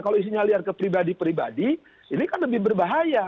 kalau isinya liar ke pribadi pribadi ini kan lebih berbahaya